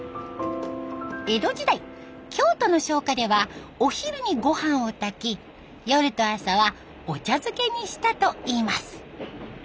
江戸時代京都の商家ではお昼に御飯を炊き夜と朝はお茶漬けにしたといいます。